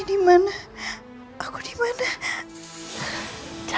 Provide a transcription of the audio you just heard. jika kamu mau menunggu ini sampai akhirnya